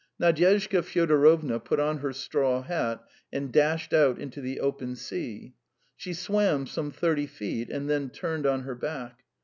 Nadyezhda Fyodorovna put on her straw hat and dashed out into the open sea. She swam some thirty feet and then turned on her back.